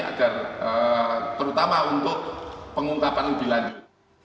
agar terutama untuk pengungkapan lebih lanjut